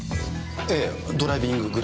ええドライビンググラブ。